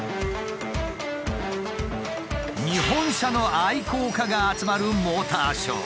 日本車の愛好家が集まるモーターショー。